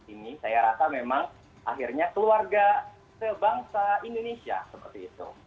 ini saya rasa memang akhirnya keluarga sebangsa indonesia seperti itu